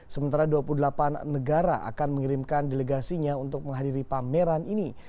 sementara dua puluh delapan negara akan mengirimkan delegasinya untuk menghadiri pameran ini